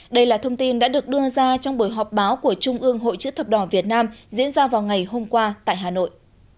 đây là thông tin đã được đưa ra trong buổi họp báo của trung ương hội chữ thập đỏ việt nam diễn ra vào ngày hôm qua tại hà nội